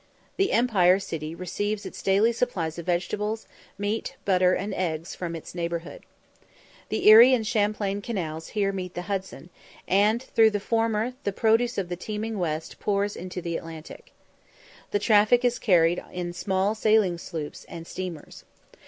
The Empire City receives its daily supplies of vegetables, meat, butter, and eggs from its neighbourhood. The Erie and Champlain canals here meet the Hudson, and through the former the produce of the teeming West pours to the Atlantic. The traffic is carried on in small sailing sloops and steamers.